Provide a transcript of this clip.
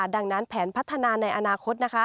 ดังนั้นแผนพัฒนาในอนาคต